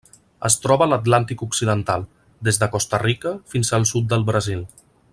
Es troba a l'Atlàntic occidental: des de Costa Rica fins al sud del Brasil.